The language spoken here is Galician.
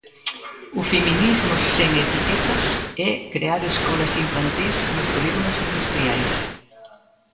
O feminismo sen etiquetas é crear escolas infantís nos polígonos industriais.